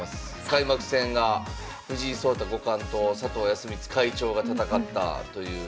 開幕戦が藤井聡太五冠と佐藤康光会長が戦ったという。